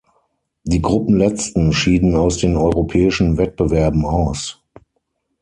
Die Gruppenletzten schieden aus den europäischen Wettbewerben aus.